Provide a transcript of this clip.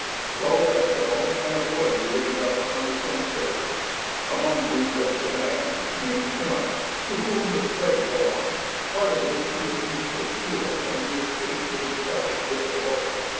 Twelve Esquimaux and a boy visited us on the 23rd; among whom was the man (named Shi ma kuk) to whom the sledge belonged, part of which we had used for fuel when near Cape Lady Pelly with the boat.